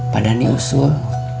pak dhani usul